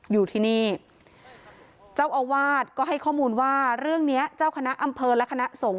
อยู่ที่นี่เจ้าอาวาสก็ให้ข้อมูลว่าเรื่องนี้เจ้าคณะอำเภอและคณะสงฆ